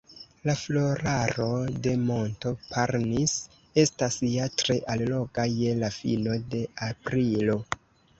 La floraro de monto Parnis estas ja tre alloga, je la fino de aprilo.